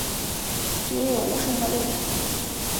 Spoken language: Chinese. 只有无声的泪